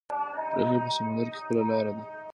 راوهي په سمندر کې خپله لاره